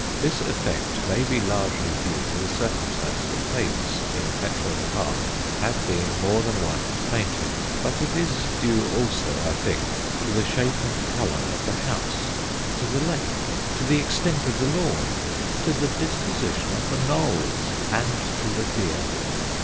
This effect may be largely due to the circumstance that fêtes in Petworth Park have been more than once painted; but it is due also, I think, to the shape and colour of the house, to the lake, to the extent of the lawn, to the disposition of the knolls, and to the deer.